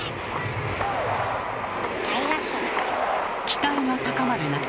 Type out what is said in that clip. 期待が高まる中。